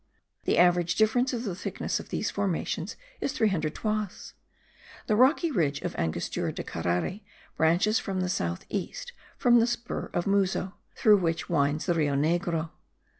The average difference of the thickness of these formations is 300 toises. The rocky ridge of the Angostura of Carare branches from the south east, from the spur of Muzo, through which winds the Rio Negro.